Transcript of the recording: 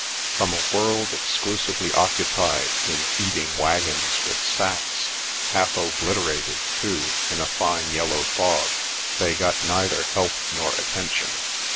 From a world exclusively occupied in feeding waggons with sacks, half obliterated too in a fine yellow fog, they got neither help nor attention.